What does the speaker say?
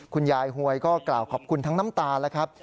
คุณยายหวยก็กล่าวขอบคุณทั้งน้ำตาแล้วครับ